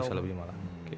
bisa lebih malah